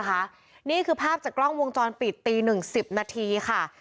นี่คือภาพจากกล้องวงจรปิดตีหนึ่งสิบนาทีค่ะ